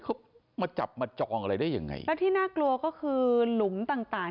เขามาจับมาจองอะไรได้ยังไงแล้วที่น่ากลัวก็คือหลุมต่างต่าง